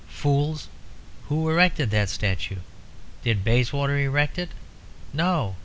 Fools! Who erected that statue? Did Bayswater erect it? No.